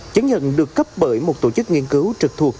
chứng nhận được cấp bởi một tổ chức nghiên cứu trực thuộc